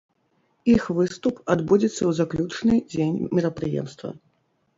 Іх выступ адбудзецца ў заключны дзень мерапрыемства.